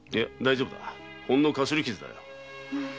ほんのかすり傷だよ。